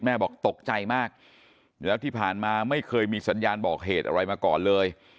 บอกตกใจมากแล้วที่ผ่านมาไม่เคยมีสัญญาณบอกเหตุอะไรมาก่อนเลย